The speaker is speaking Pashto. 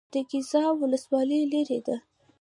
د ګیزاب ولسوالۍ لیرې ده